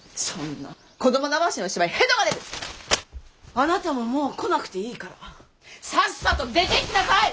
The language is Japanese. あなたももう来なくていいから。さっさと出ていきなさい！